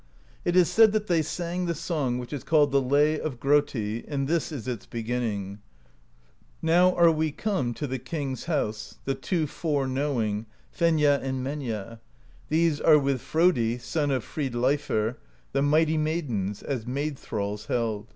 It is said that they sang the song which is called the Lay of Grotti, and this is its beginning: Now are we come To the king's house, The two fore knowing, Fenja and Menja: These are with Frodi Son of Fridleifr, The Mighty Maidens, As maid thralls held.